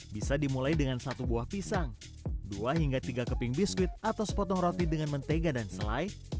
bisa dimulai dengan satu buah pisang dua hingga tiga keping biskuit atau sepotong roti dengan mentega dan selai